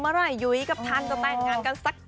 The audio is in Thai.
เมื่อไหยุ้ยกับท่านจะแต่งงานกันสัก